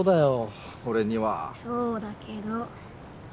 そうだけど。